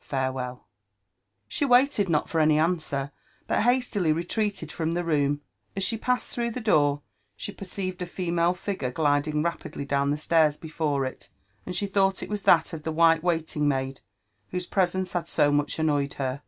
FarewelU" 'She Waited not for any answer, but hastily retreated from the room. As she passed through ttie door, she perceived a feiMle figure gliding rapidly down the alairs before it, 'Mid she bought it was that of the white wait$ng*mald whose presence had so taiuch anfnoyed her.